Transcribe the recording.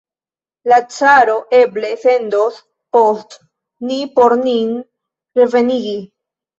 La caro eble sendos post ni por nin revenigi!